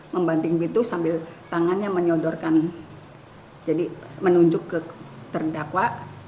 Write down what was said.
membanding begitu sambil tangannya menyodorkan jadi menunjuk ke terdakwa